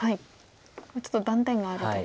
ちょっと断点があると。